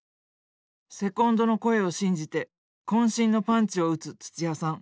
セコンドの声を信じてこん身のパンチを打つ土屋さん。